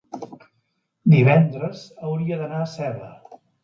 divendres hauria d'anar a Seva.